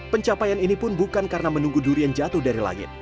pencapaian ini pun bukan karena menunggu durian jatuh dari langit